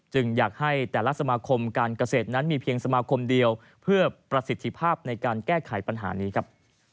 อยากให้แต่ละสมาคมการเกษตรนั้นมีเพียงสมาคมเดียวเพื่อประสิทธิภาพในการแก้ไขปัญหานี้ครับ